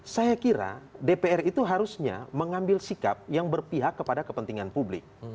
saya kira dpr itu harusnya mengambil sikap yang berpihak kepada kepentingan publik